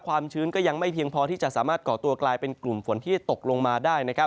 ชื้นก็ยังไม่เพียงพอที่จะสามารถก่อตัวกลายเป็นกลุ่มฝนที่ตกลงมาได้